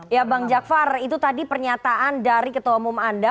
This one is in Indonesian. ya bang jakfar itu tadi pernyataan dari ketua umum anda